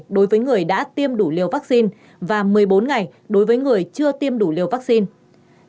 đối với người đã tiêm đủ liều vaccine và một mươi bốn ngày đối với người chưa tiêm đủ liều vaccine